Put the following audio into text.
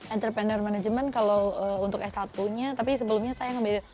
entrepreneur management kalau untuk s satu nya tapi sebelumnya saya ngebeda